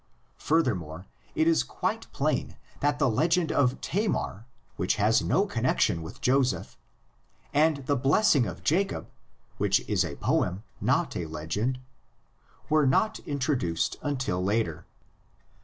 Furthermore, it is quite plain that the legend of Tamar, which has no connexion with Joseph, and the "blessing of Jacob," which is a poem, not a legend, were not introduced until later.